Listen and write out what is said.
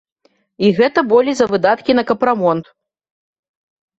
І гэта болей за выдаткі на капрамонт.